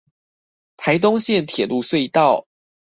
臺東線鐵路隧道